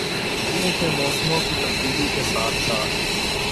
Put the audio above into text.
کیونکہ موسموں کی تبدیلی کے ساتھ ساتھ